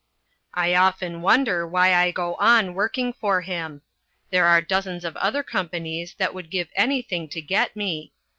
I often wonder why I go on working for him. There are dozens of other companies that would give anything to get me.